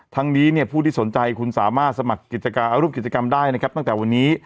ทางนี้ผู้ที่สนใจคุณสามารถสมัครรูปกิจกรรมได้ตั้งแต่วันนี้